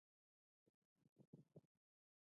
د ماشوم د ودې د ستونزې لپاره باید چا ته لاړ شم؟